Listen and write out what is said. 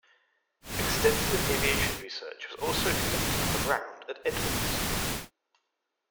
Extensive aviation research was also conducted on the ground at Edwards.